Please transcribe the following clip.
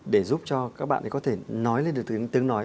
để giúp cho các bạn ấy có thể nói lên được tiếng nói